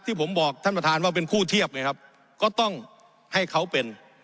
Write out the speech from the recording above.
ที่ผมบอกท่านประธานว่าเป็นคู่เทียบไงครับก็ต้องให้เขาเป็น